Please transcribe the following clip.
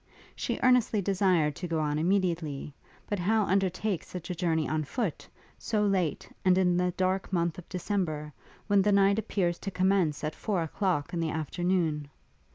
She earnestly desired to go on immediately; but how undertake such a journey on foot, so late, and in the dark month of December, when the night appears to commence at four o'clock in the afternoon?